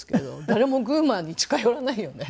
誰もグーマーに近寄らないよね。